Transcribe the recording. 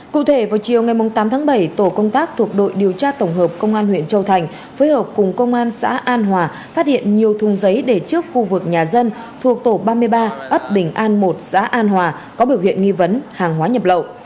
cụ thể vào chiều ngày tám tháng bảy tổ công tác thuộc đội điều tra tổng hợp công an huyện châu thành phối hợp cùng công an xã an hòa phát hiện nhiều thùng giấy để trước khu vực nhà dân thuộc tổ ba mươi ba ấp bình an một xã an hòa có biểu hiện nghi vấn hàng hóa nhập lậu